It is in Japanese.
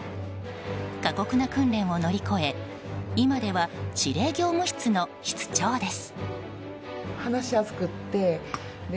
過酷な訓練を乗り越え今では司令業務室の室長です。